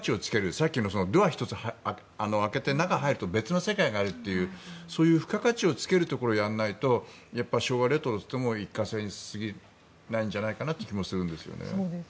さっきのドア１つ開けて中入ると別の世界があるというそういう付加価値をつけるところをやらないと昭和レトロといっても一過性に過ぎないんじゃないかなという気もするんですよね。